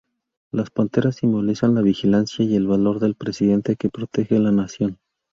Las panteras simbolizan la vigilancia y el valor del presidente que protege la nación.